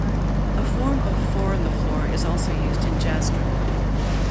A form of four-on-the-floor is also used in jazz drumming.